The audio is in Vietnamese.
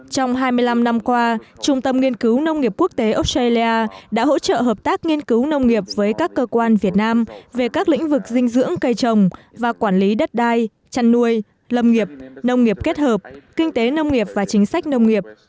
trong hai mươi năm năm qua trung tâm nghiên cứu nông nghiệp quốc tế australia đã hỗ trợ hợp tác nghiên cứu nông nghiệp với các cơ quan việt nam về các lĩnh vực dinh dưỡng cây trồng và quản lý đất đai chăn nuôi lâm nghiệp nông nghiệp kết hợp kinh tế nông nghiệp và chính sách nông nghiệp